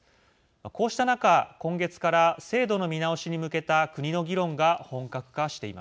こうした中今月から制度の見直しに向けた国の議論が本格化しています。